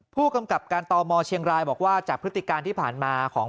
ผู้กำกับการตมเชียงรายบอกว่าจากพฤติการที่ผ่านมาของ